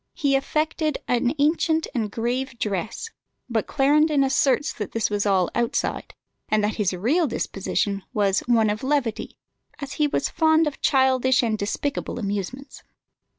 He affected an ancient and grave dress; but Clarendon asserts that this was all outside, and that his real disposition was "one of levity," as he was fond of childish and despicable amusements.